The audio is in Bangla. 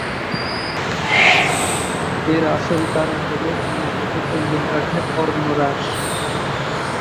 এর আসল কারণ হল কর্ণাটকে চন্দন কাঠের অরণ্য হ্রাস।